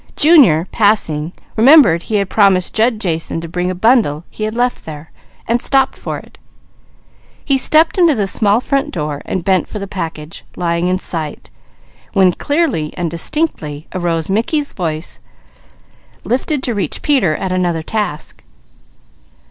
Junior, passing, remembered he had promised Jud Jason to bring a bundle he had left there, and stopped for it. He stepped into the small front door and bent for the package lying in sight, when clearly and distinctly arose Mickey's voice lifted to reach Peter, at another task.